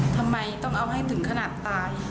ทำไมต้องเอาให้ถึงขนาดตาย